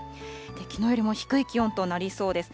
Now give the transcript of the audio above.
きのうよりも低い気温となりそうです。